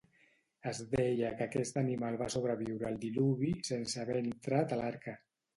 Es deia que aquest animal va sobreviure al diluvi sense haver entrat al Arca